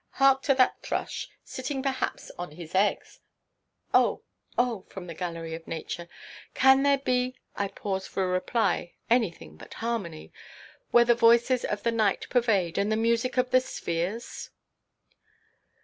Hark to that thrush, sitting perhaps on his eggs"—"Oh, Oh!" from the gallery of nature—"can there be, I pause for a reply, anything but harmony, where the voices of the night pervade, and the music of the spheres?"